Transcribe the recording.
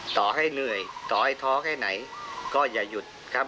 ต่อให้เหนื่อยต่อให้ท้อแค่ไหนก็อย่าหยุดครับ